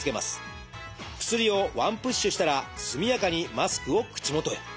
薬を１プッシュしたら速やかにマスクを口元へ。